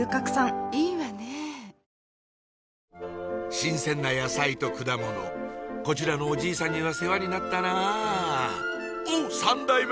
新鮮な野菜と果物こちらのおじいさんには世話になったなおっ３代目！